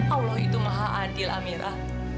allah itu maha adil amirah